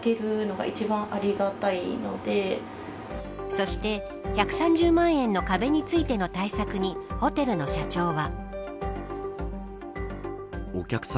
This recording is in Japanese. そして、１３０万円の壁についての対策にホテルの社長は。